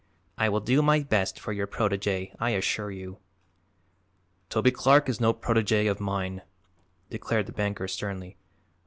"I will do my best for your protegè, I assure you." "Toby Clark is no protegè of mine," declared the banker sternly.